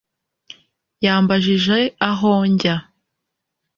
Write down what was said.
Yambajije aho njya